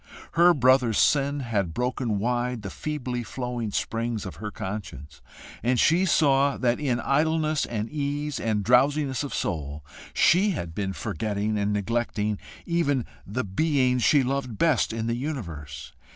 Her brother's sin had broken wide the feebly flowing springs of her conscience, and she saw that in idleness and ease and drowsiness of soul, she had been forgetting and neglecting even the being she loved best in the universe.